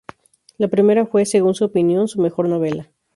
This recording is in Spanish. La primera fue, según su opinión, su mejor novela.